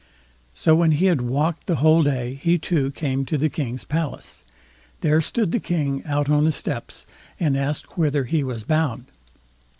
So when he had walked the whole day, he, too, came to the king's palace. There stood the King out on the steps, and asked whither he was bound?